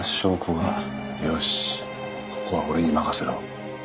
よしここは俺に任せろ。